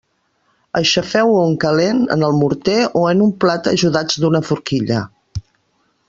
Aixafeu-ho en calent en el morter o en un plat ajudats d'una forquilla.